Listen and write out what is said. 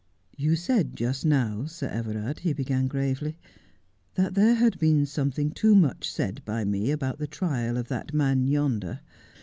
'You said just now, Sir Everard,' he began gravely, 'that there had been something too much said by me about the trial of that man yonder.